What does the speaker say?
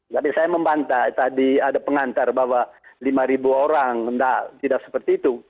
jadi saya membantah tadi ada pengantar bahwa lima orang tidak seperti itu